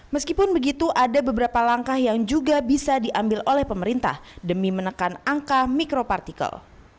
meskipun begitu ada beberapa langkah yang juga bisa diambil oleh pemerintah demi menekan angka mikropartikel